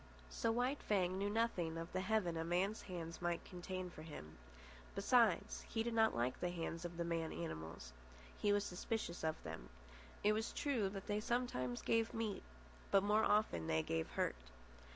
So White Fang knew nothing of the heaven a man's hand might contain for him. Besides, he did not like the hands of the man animals. He was suspicious of them. It was true that they sometimes gave meat, but more often they gave hurt.